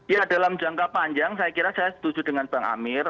ya dalam jangka panjang saya kira saya setuju dengan bang amir